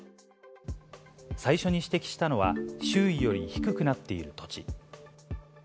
最初に指摘したのは、周囲より低くなっている土地。